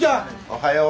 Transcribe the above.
・おはよう。